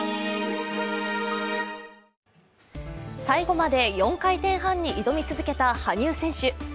最後まで４回転半に挑み続けた羽生選手。